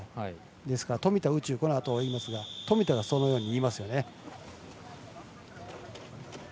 ですから、富田宇宙このあと泳ぎますが富田がそのようにいいますよね。